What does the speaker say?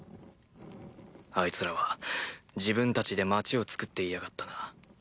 あいつらは自分たちで町をつくっていやがったな。